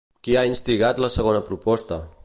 Qui ha instigat la segona proposta?